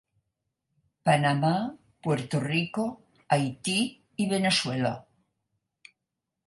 Panamà, Puerto Rico, Haití i Veneçuela.